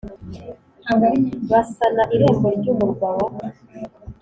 Basana irembo ry umurwa wa